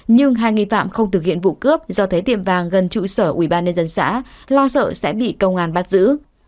nhưng hai nghi phạm không thực hiện vụ cướp do thấy tiệm vàng gần trụ sở ubnd xã lo sợ sẽ bị công an bắt giữ